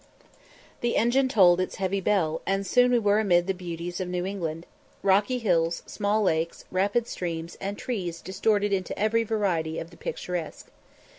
The engine tolled its heavy bell, and soon we were amid the beauties of New England; rocky hills, small lakes, rapid streams, and trees distorted into every variety of the picturesque.